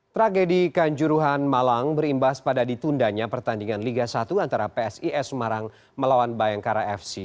tragedi kanjuruhan malang berimbas pada ditundanya pertandingan liga satu antara psis semarang melawan bayangkara fc